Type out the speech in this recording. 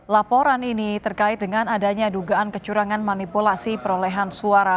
laporan ini terkait dengan adanya dugaan kecurangan manipulasi perolehan suara